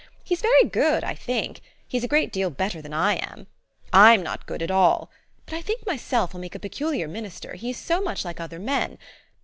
" He's very good, I think : he's a great deal better than I am. J'm not good at all. But I think my self he'll make a peculiar minister, he is so much like other men.